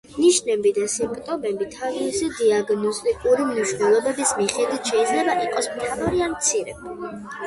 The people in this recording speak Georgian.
ნიშნები და სიმპტომები, თავისი დიაგნოსტიკური მნიშვნელობის მიხედვით შეიძლება იყოს მთავარი ან მცირე.